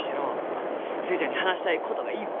あっ寿恵ちゃんに話したいことがいっぱい。